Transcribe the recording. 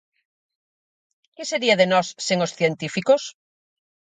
¿Que sería de nós sen os científicos?